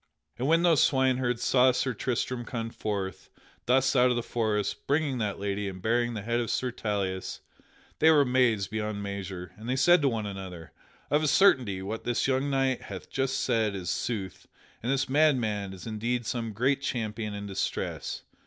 But when those swineherds saw Sir Tristram come forth thus out of the forest bringing that lady and bearing the head of Sir Tauleas, they were amazed beyond measure, and they said to one another: "Of a certainty what this young knight hath just said is sooth and this madman is indeed some great champion in distress.